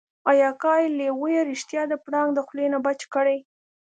ای اکا ای لېوه يې رښتيا د پړانګ د خولې نه بچ کړی.